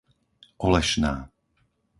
Olešná